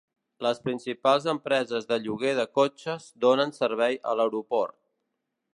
Les principals empreses de lloguer de cotxes donen servei a l'aeroport.